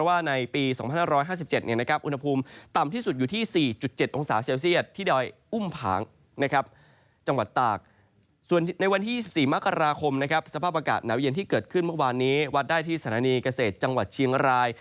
อากาศที่เกิดขึ้นเมื่อวานนี้วัดได้ที่สนานีเกษตรจังหวัดเชียงราย